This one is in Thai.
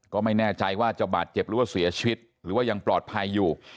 ก็ไม่แน่ใจว่าจะบาดเจ็บหรือว่าเสียชีวิตหรือว่ายังปลอดภัยอยู่